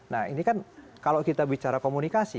nah ini kan kalau kita bicara komunikasi